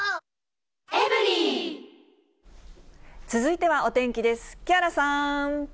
続いてはお天気です。